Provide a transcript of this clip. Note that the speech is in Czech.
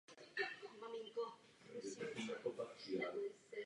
Deska obsahuje interpretace starých amerických tradičních písní.